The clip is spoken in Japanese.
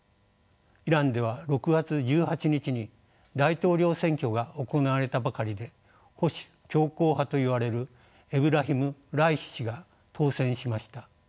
イランでは６月１８日に大統領選挙が行われたばかりで保守強硬派といわれるエブラヒム・ライシ師が当選しました。